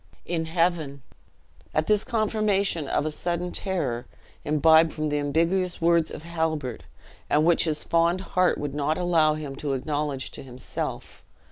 "In heaven!" At this confirmation of a sudden terror, imbibed from the ambiguous words of Halbert, and which his fond heart would not allow him to acknowledge to himself.